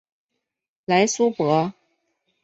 莱苏博。